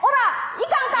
いかんか！」